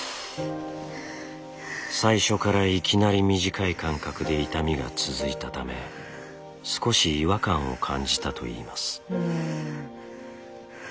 最初からいきなり短い間隔で痛みが続いたため少し違和感を感じたといいます。